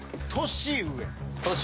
年上。